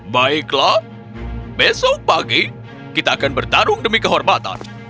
baiklah besok pagi kita akan bertarung demi kehormatan